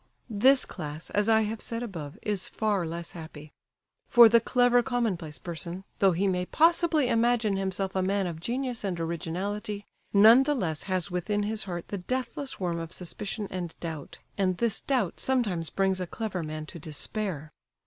This class, as I have said above, is far less happy. For the "clever commonplace" person, though he may possibly imagine himself a man of genius and originality, none the less has within his heart the deathless worm of suspicion and doubt; and this doubt sometimes brings a clever man to despair.